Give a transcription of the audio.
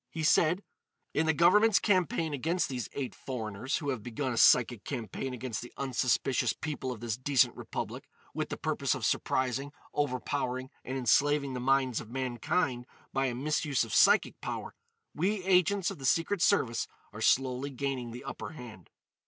He said: "In the Government's campaign against these eight foreigners who have begun a psychic campaign against the unsuspicious people of this decent Republic, with the purpose of surprising, overpowering and enslaving the minds of mankind by a misuse of psychic power, we agents of the Secret Service are slowly gaining the upper hand.